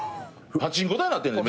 パチンコ台になってんねん。